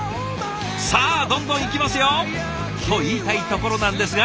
さあどんどんいきますよ！と言いたいところなんですが。